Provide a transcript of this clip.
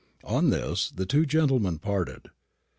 On this the two gentlemen parted.